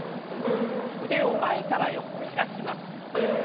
腕を前から横開きます。